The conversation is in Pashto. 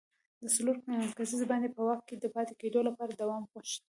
د څلور کسیز بانډ په واک کې د پاتې کېدو لپاره دوام غوښت.